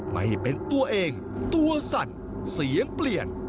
ไม่เป็นตัวเองตัวสั่นเสียงเปลี่ยน